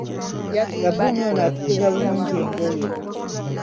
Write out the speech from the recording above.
Ssabbuni ono atukuza bulungi engoye!